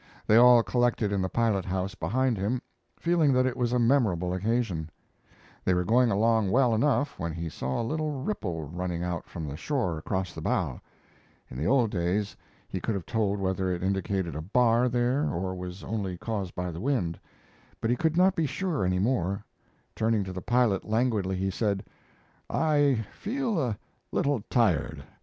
They all collected in the pilot house behind him, feeling that it was a memorable occasion. They were going along well enough when he saw a little ripple running out from the shore across the bow. In the old days he could have told whether it indicated a bar there or was only caused by the wind, but he could not be sure any more. Turning to the pilot languidly, he said: "I feel a little tired.